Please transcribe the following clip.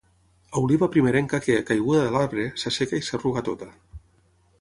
Oliva primerenca que, caiguda de l'arbre, s'asseca i s'arruga tota.